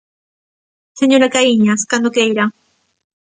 Señora Caíñas, cando queira.